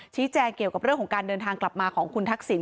แจ้งเกี่ยวกับเรื่องของการเดินทางกลับมาของคุณทักษิณ